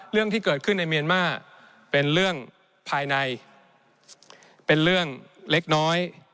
เรื่องที่เกิดขึ้นในเมียนมาร์เป็นเรื่องภายในเป็นเรื่องเล็กน้อย